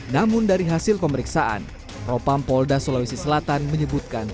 namun dari hasil pemeriksaan propampolda sulawesi selatan menyebutkan